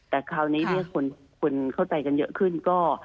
แต่คราวนี้เนี่ยคนเข้าใจกันเยอะขึ้นก็